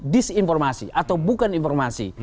disinformasi atau bukan disinformasi